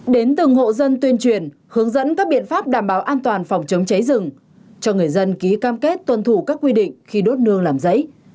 đến từng hộ dân tuyên truyền hướng dẫn các biện pháp đảm bảo an toàn phòng chống cháy rừng cho người dân ký cam kết tuân thủ các quy định khi đốt nương làm giấy